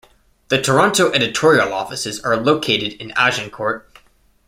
The Toronto editorial offices are located in Agincourt.